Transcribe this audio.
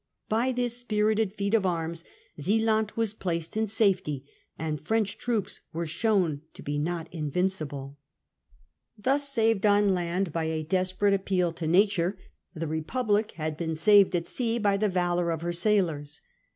By this spirited feat of arms Zealand was placed in safety, and French troops were shown to be not invincible. Thus saved on land by a desperate appeal to nature^ the Republic had been saved at sea by the valour of hex Naval sailors.